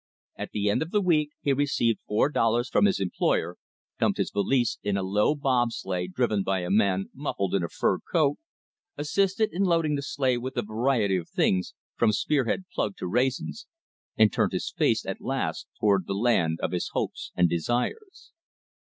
At the end of the week he received four dollars from his employer; dumped his valise into a low bobsleigh driven by a man muffled in a fur coat; assisted in loading the sleigh with a variety of things, from Spearhead plug to raisins; and turned his face at last toward the land of his hopes and desires.